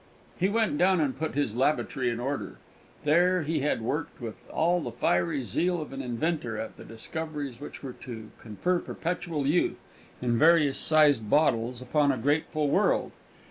He went down and put his "labatry" in order. There he had worked with all the fiery zeal of an inventor at the discoveries which were to confer perpetual youth, in various sized bottles, upon a grateful world.